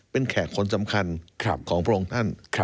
เป็นแขกคนสำคัญของพระองค์ท่าน